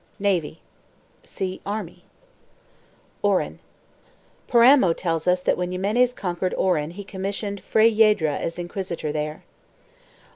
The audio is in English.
"1 NAVY. See ARMY. ORAN. Paramo tells us that when Ximenes conquered Oran he commissioned Fray Yedra as inquisitor there.